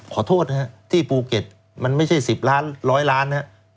ขอโทษนะครับที่ภูเก็ตมันไม่ใช่๑๐ล้านร้อยล้านนะครับ